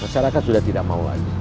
masyarakat sudah tidak mau lagi